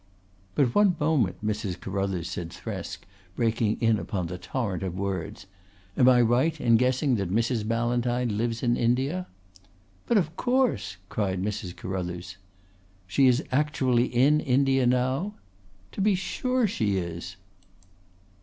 "But one moment, Mrs. Carruthers," said Thresk, breaking in upon the torrent of words. "Am I right in guessing that Mrs. Ballantyne lives in India?" "But of course!" cried Mrs. Carruthers. "She is actually in India now?" "To be sure she is!"